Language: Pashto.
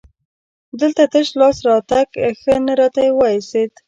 دلته تش لاس راتګ ښه نه راته وایسېد.